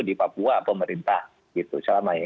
di papua pemerintah gitu selama ini